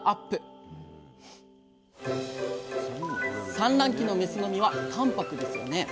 産卵期のメスの身は淡泊ですよね？